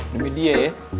demi dia ya